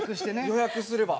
予約すれば。